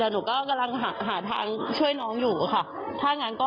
เดี๋ยวหนูก็กำลังหาทางช่วยน้องอยู่อะค่ะถ้างั้นก็